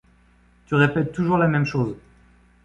Tu répètes toujours la même chose.